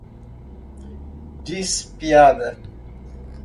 Diz piada